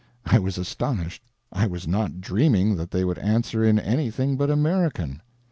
I was astonished; I was not dreaming that they would answer in anything but American.